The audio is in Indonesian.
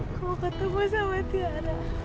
aku mau ketemu sama tiara